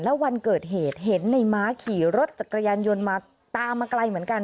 แล้ววันเกิดเหตุเห็นในม้าขี่รถจักรยานยนต์มาตามมาไกลเหมือนกัน